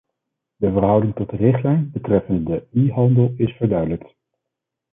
De verhouding tot de richtlijn betreffende de e-handel is verduidelijkt.